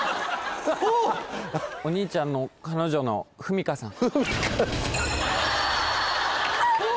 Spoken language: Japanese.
お兄ちゃんの彼女のふみかさんあっ！